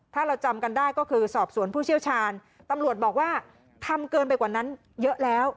ถ้าเราจำกันได้ก็คือสอบสวนผู้เชี่ยวชาญตำรวจบอกว่าทำเกินไปกว่านั้นเยอะแล้ว